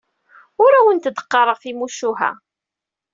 Ur awent-d-qqareɣ timucuha.